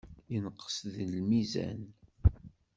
Yenqes deg lmizan.